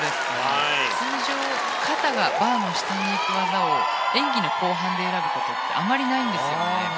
通常肩がバーの下に行く技を演技の後半に選ぶことってあまりないんですよね。